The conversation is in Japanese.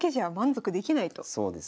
そうです。